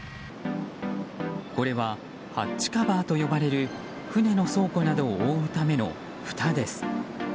これはハッチカバーと呼ばれる船の倉庫などを覆うためのふたです。